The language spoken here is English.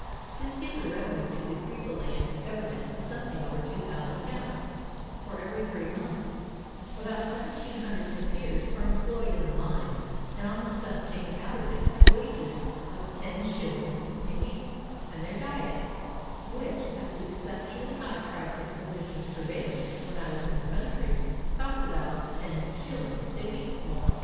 This gives a revenue to the Griqualand Govern ment of something over £2000 for every three months. About 1700 Kafirs are employed in the mine and on the stuff taken out of it at wages of 105. a week and their diet, — which, at the exceptionally high price of provi sions prevailing when I was in the country, costs about 105. a week more.